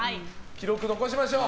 記録を残しましょう。